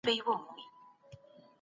دا زیاتوالی باید په اوږده موده کي وي.